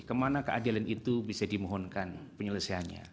kemana keadilan itu bisa dimohonkan penyelesaiannya